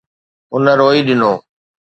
هن روئي ڏنو.